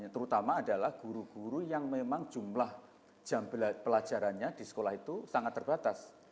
terutama adalah guru guru yang memang jumlah jam pelajarannya di sekolah itu sangat terbatas